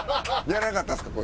やらなかったんですか？